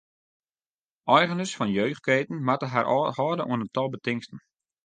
Eigeners fan jeugdketen moatte har hâlde oan in tal betingsten.